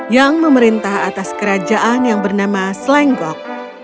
yang memerintah atas kerajaan yang bernama slenggok